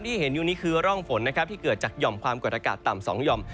ที่เห็นอยู่นี้คือร่องฝนนะครับที่เกิดจากหย่อมความกดอากาศต่ำ๒หย่อม